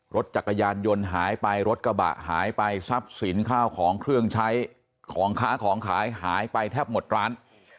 รถจักรยานยนต์หายไปรถกระบะหายไปทรัพย์สินข้าวของเครื่องใช้ของค้าของขายหายไปแทบหมดร้าน